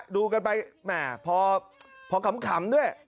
ดูกันไปแหมพอขำด้วย